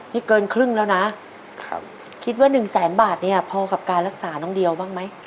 นี่เกินครึ่งแล้วนะคิดว่าหนึ่งแสนบาทเนี่ยพอกับการรักษาน้องเดียวบ้างไหม